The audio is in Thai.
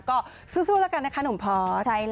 ก็สู้แล้วกันนะคะหนุ่มพอส